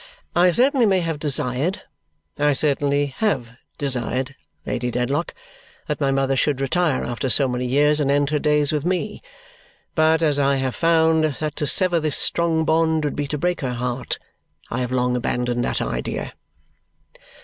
I certainly may have desired I certainly have desired, Lady Dedlock that my mother should retire after so many years and end her days with me. But as I have found that to sever this strong bond would be to break her heart, I have long abandoned that idea."